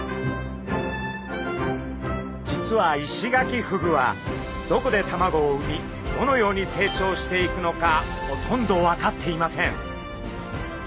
実はイシガキフグはどこで卵を産みどのように成長していくのかほとんど分かっていません。